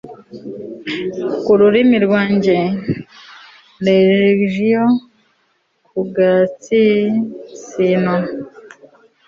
ku rurimi rwanjye. legio ku gatsinsino